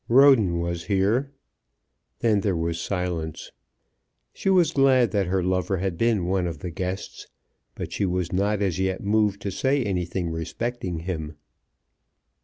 "Roden was here." Then there was silence. She was glad that her lover had been one of the guests, but she was not as yet moved to say anything respecting him.